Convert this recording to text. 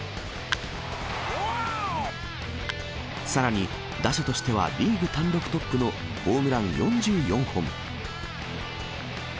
さらに、打者としてはリーグ単独トップのホームラン４４本。